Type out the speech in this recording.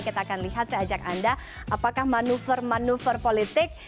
kita akan lihat seajak anda apakah manuver manuver politik